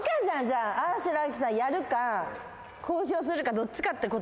あぁしらきさんやるか公表するかどっちかってこと。